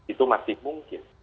itu masih mungkin